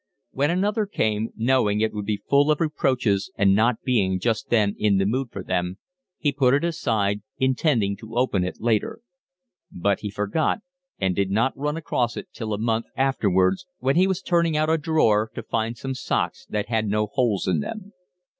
When another came, knowing it would be full of reproaches and not being just then in the mood for them, he put it aside, intending to open it later; but he forgot and did not run across it till a month afterwards, when he was turning out a drawer to find some socks that had no holes in them.